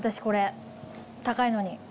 これ高いのに。